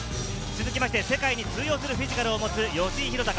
続きまして世界に通用するフィジカルを持つ吉井裕鷹。